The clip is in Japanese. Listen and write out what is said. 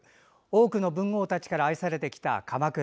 多くの文豪たちから愛されてきた鎌倉。